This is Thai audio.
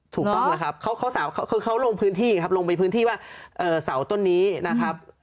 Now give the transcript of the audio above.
ถูกต้องนะครับเขาลงไปพื้นที่ว่าเสาต้นนี้นะครับ